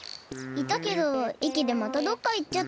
いたけどいきでまたどっかいっちゃった。